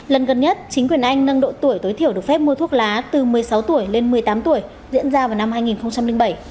lần gần nhất chính quyền anh nâng độ tuổi tối thiểu được phép mua thuốc lá từ một mươi sáu tuổi lên một mươi tám tuổi diễn ra vào năm hai nghìn bảy